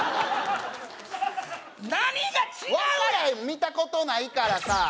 見たことないからさ